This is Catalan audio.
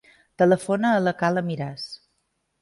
Telefona a la Kala Miras.